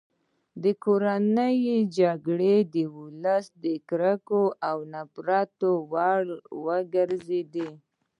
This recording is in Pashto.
کورنۍ جګړې د ولس د کرکو او نفرتونو وړ وګرځېدې.